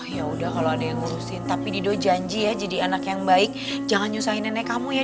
ya udah kalau ada yang ngurusin tapi dido janji ya jadi anak yang baik jangan nyusahin nenek kamu ya